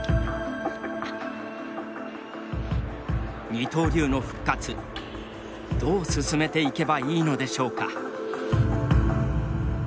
二刀流の復活どう進めていけばいいのでしょうか。